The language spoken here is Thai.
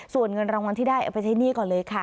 ส่วนเงินรางวัลที่ได้เอาไปใช้หนี้ก่อนเลยค่ะ